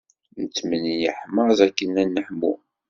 Nettemyeḥmaẓ akken ad neḥmu.